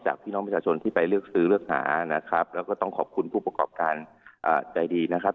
พี่น้องประชาชนที่ไปเลือกซื้อเลือกหานะครับแล้วก็ต้องขอบคุณผู้ประกอบการใจดีนะครับ